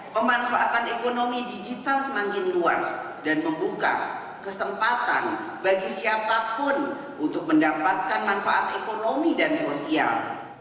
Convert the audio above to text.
pemanfaatan ekonomi digital semakin luas dan membuka kesempatan bagi siapapun untuk mendapatkan manfaat ekonomi dan sosial